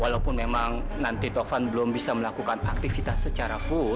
walaupun memang nanti tovan belum bisa melakukan aktivitas secara full